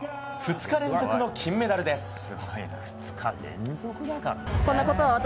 ２日連続の金メダルです。